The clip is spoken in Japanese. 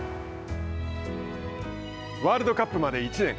ワールドカップまで１年。